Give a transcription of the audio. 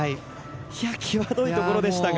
際どいところでしたが。